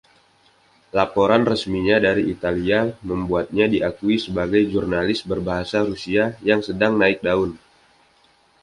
Laporan resminya dari Italia membuatnya diakui sebagai jurnalis berbahasa Rusia yang sedang naik daun.